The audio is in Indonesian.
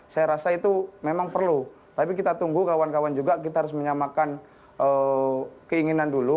saya rasa itu memang perlu tapi kita tunggu kawan kawan juga kita harus menyamakan keinginan dulu